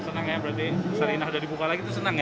senang ya berarti sarinah sudah dibuka lagi itu senang ya